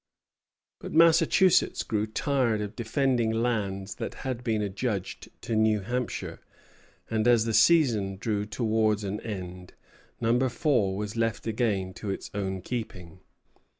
] But Massachusetts grew tired of defending lands that had been adjudged to New Hampshire, and as the season drew towards an end, Number Four was left again to its own keeping.